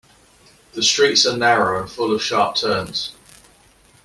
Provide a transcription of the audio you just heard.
The streets are narrow and full of sharp turns.